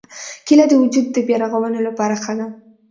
کېله د وجود د بیا رغونې لپاره ښه ده.